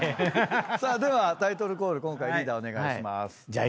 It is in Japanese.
ではタイトルコール今回リーダーお願いします。